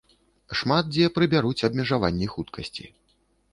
Шмат дзе прыбяруць абмежаванні хуткасці.